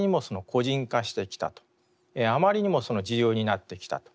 あまりにも自由になってきたと。